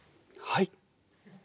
はい。